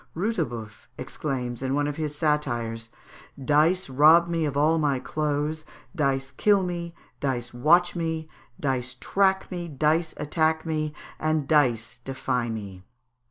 Rutebeuf exclaims, in one of his satires, "Dice rob me of all my clothes, dice kill me, dice watch me, dice track me, dice attack me, and dice defy me."